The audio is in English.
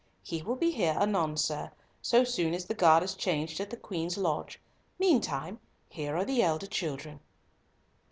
He will be here anon, sir, so soon as the guard is changed at the Queen's lodge. Meantime, here are the elder children."